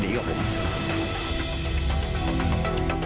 สวัสดีค่ะคุณผู้ชมค่ะเห็นหัวอะไรกันครับ